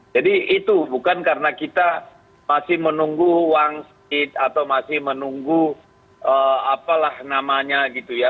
jadi itu bukan karena kita masih menunggu wang sit atau masih menunggu apalah namanya gitu ya